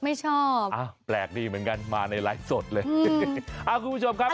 ไม่ชอบอ่ะแปลกดีเหมือนกันมาในไลฟ์สดเลยอ่าคุณผู้ชมครับ